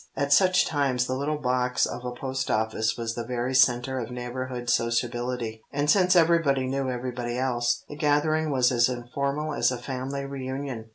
At such times the little box of a post office was the very centre of neighbourhood sociability, and since everybody knew everybody else, the gathering was as informal as a family reunion.